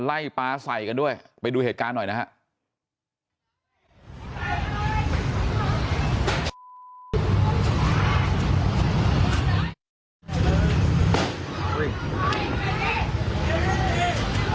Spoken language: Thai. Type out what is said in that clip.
ปลาใส่กันด้วยไปดูเหตุการณ์หน่อยนะครับ